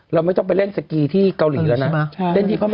เราไม่ต้องไปเล่นสกีที่เกาหลีแล้วนะ